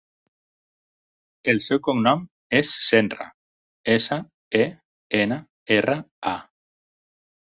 El seu cognom és Senra: essa, e, ena, erra, a.